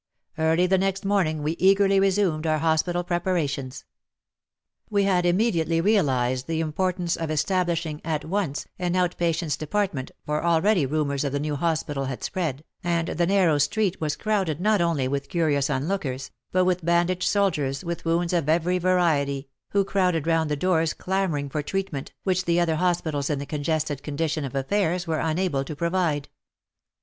Early the next morning we eagerly resumed our hospital preparations. We had immediately realized the importance of establishing at once an out patients' depart ment, for already rumours of the new hospital had spread, and the narrow street was crowded not only with curious onlookers, but with bandaged soldiers with wounds of every variety, who crowded round the doors clamour ing for treatment, which the other hospitals in the congested condition of affairs were unable to provide.